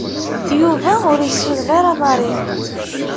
Yuba ur yessuden ara Mary.